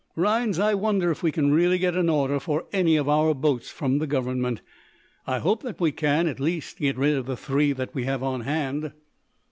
Rhinds, I wonder if we can really get an order for any of our boats from the government. I hope that we can, at least, get rid of the three that we have on hand."